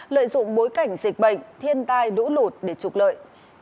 lợi dụng bối cảnh dịch bệnh thiên tai lũ lụt để trục lợi